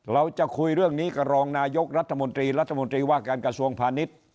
เราจะคุยเรื่องนี้กับรองนายกรัฐมนตรีรัฐมนตรีว่าการกระทรวงพาณิชย์